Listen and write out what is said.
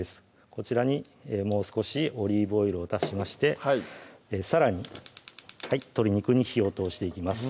こちらにもう少しオリーブオイルを足しましてさらに鶏肉に火を通していきます